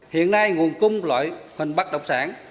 hiện nay nguồn cung loại phân bắc động sản